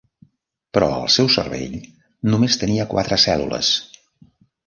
Però el seu cervell només tenia quatre cèl·lules.